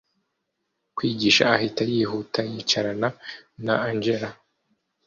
kwigisha ahita yihuta yicarana na angella